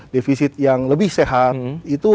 defisit yang lebih sehat itu